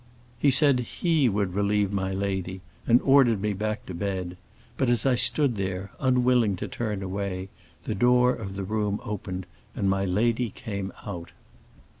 He said he would relieve my lady, and ordered me back to bed; but as I stood there, unwilling to turn away, the door of the room opened and my lady came out.